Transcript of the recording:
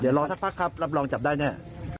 เดี๋ยวรอสักพักครับรับรองจับได้แน่